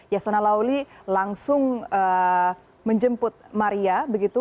yasona lauli langsung menjemput maria begitu